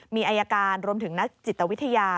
มีอายการรวมถึงนักจิตวิทยา